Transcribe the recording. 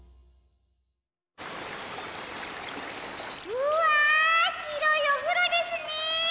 うわひろいおふろですね！